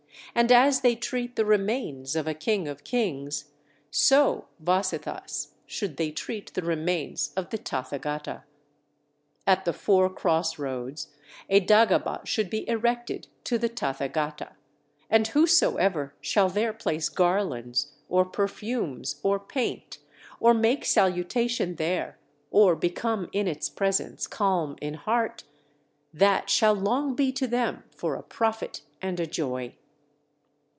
And as they treat the remains of a king of kings, so, Vasetthas, should they treat the remains of the Tathagata. At the four cross roads a dagaba should be erected to the Tathagata. And whosoever shall there place garlands or perfumes or paint, or make salutation there, or become in its presence calm in heart that shall long be to them for a profit and a joy."